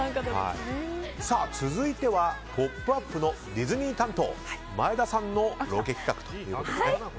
続いては「ポップＵＰ！」のディズニー担当前田さんのロケ企画ということで。